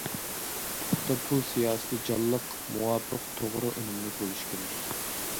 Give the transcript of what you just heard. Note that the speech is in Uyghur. پۇختا پۇل سىياسىتى جانلىق، مۇۋاپىق، توغرا، ئۈنۈملۈك بولۇشى كېرەك.